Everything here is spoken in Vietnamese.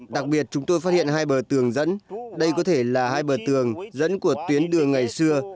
đặc biệt chúng tôi phát hiện hai bờ tường dẫn đây có thể là hai bờ tường dẫn của tuyến đường ngày xưa